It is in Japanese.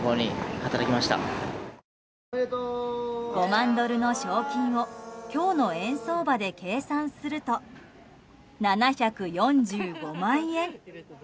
５万ドルの賞金を今日の円相場で計算すると７４５万円。